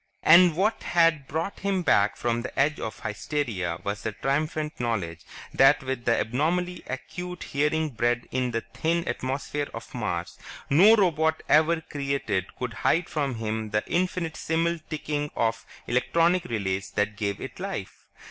And what had brought him back from the edge of hysteria was the triumphant knowledge that with the abnormally acute hearing bred in the thin atmosphere of Mars, no robot ever created could hide from him the infinitesimal ticking of the electronic relays that gave it life.